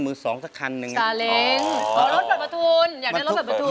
ร้องได้ให้ร้อง